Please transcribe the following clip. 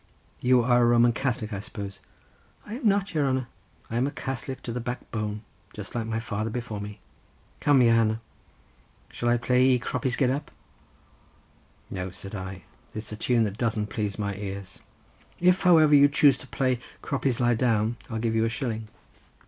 "You are a Roman Catholic, I suppose?" "I am nat, your hanner—I am a Catholic to the backbone, just like my father before me. Come, your hanner, shall I play ye 'Croppies Get Up'?" "No," said I; "It's a tune that doesn't please my ears. If, however, you choose to play 'Croppies Lie Down,' I'll give you a shilling."